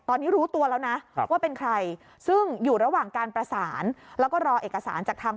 ตอนนี้รู้ตัวแล้วนะว่าเป็นใครซึ่งอยู่ระหว่างการประสาน